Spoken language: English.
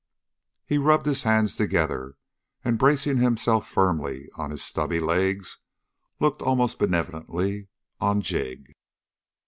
He rubbed his hands together, and bracing himself firmly on his stubby legs, looked almost benevolently on Jig.